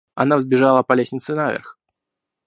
Она взбежала по лестнице наверх.